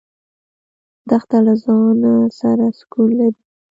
دښته له ځانه سره سکون لري.